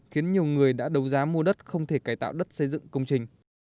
khiến nhiều người đã đầu giá mua đất không thể cải tạo đất xây dựng công trình